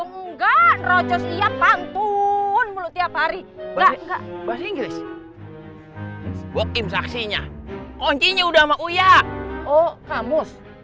nggak rojos iya bantuan mulut tiap hari bahwa inggris in saksinya ongkini udah mau ya oh kamu